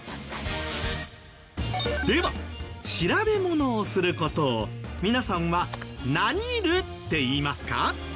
では調べものをする事を皆さんは「何る」って言いますか？